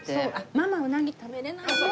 ママうなぎ食べれないんです。